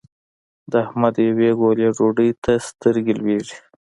د احمد يوې ګولې ډوډۍ ته سترګې لوېږي.